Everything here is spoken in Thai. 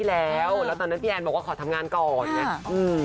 กดอย่างวัยจริงเห็นพี่แอนทองผสมเจ้าหญิงแห่งโมงการบันเทิงไทยวัยที่สุดค่ะ